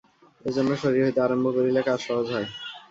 এজন্য শরীর হইতে আরম্ভ করিলে কাজ সহজ হয়।